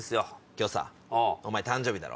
今日さお前誕生日だろ？